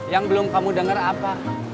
yang belum kamu dengar apa